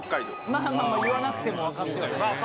まあまあ、言わなくても分かってます。